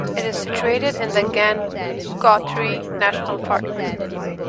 It is situated in the Gangotri National Park.